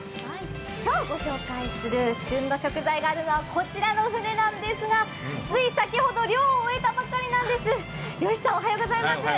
今日ご紹介する旬の食材があるのはこちらの船なんですがつい先ほど漁を終えたばかりなんです。